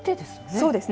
そうですね。